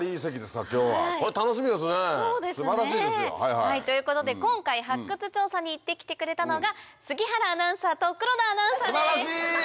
素晴らしいですよ。ということで今回発掘調査に行って来てくれたのが杉原アナウンサーと黒田アナウンサーです。